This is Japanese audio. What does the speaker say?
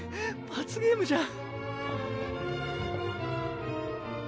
罰ゲームじゃん。